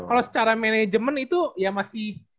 kalau secara manajemen itu ya masih